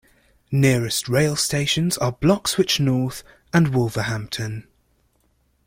Nearest rail stations are Bloxwich North and Wolverhampton.